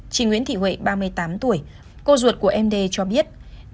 chị nguyễn thị huệ ba mươi tám tuổi cô ruột của md cho biết